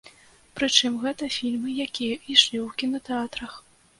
Прычым гэта фільмы, якія ішлі ў кінатэатрах.